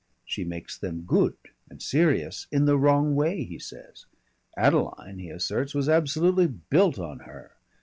She makes them good and serious in the wrong way, he says. Adeline, he asserts, was absolutely built on her.